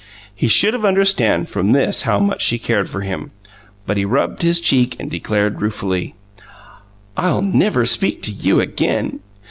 He should have understood from this how much she cared for him. But he rubbed his cheek and declared ruefully: "I'll never speak to you again!"